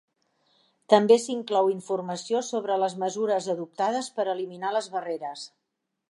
També s'inclou informació sobre les mesures adoptades per eliminar les barreres.